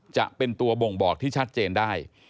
จะเป็นตัวบ่งบอกที่ชัดเจนได้